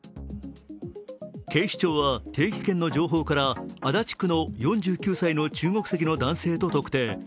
警視庁は定期券の情報から足立区の４９歳の中国籍の男性を特定。